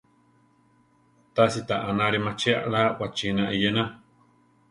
Tási ta anári machí aʼlá wachína iyéna.